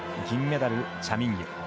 銀メダル、チャ・ミンギュ。